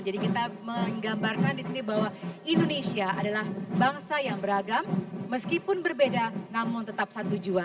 jadi kita menggambarkan di sini bahwa indonesia adalah bangsa yang beragam meskipun berbeda namun tetap satu jua